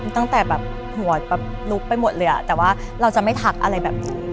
ตั้งแต่แบบหัวแบบลุกไปหมดเลยแต่ว่าเราจะไม่ทักอะไรแบบนี้